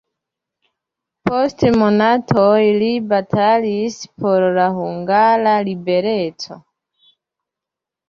Post monatoj li batalis por la hungara libereco.